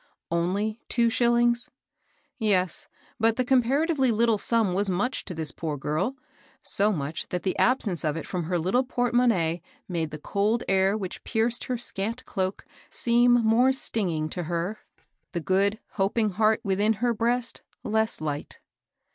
Only two ahillinga f Yes ; but the comparatively Uttle sum was much to this poor girl, — so much that the absence of it from her lit tle port monnaie made the cold air which pierced her scant cloak seem more stinging to her, the good, hoping heart within her breast less light.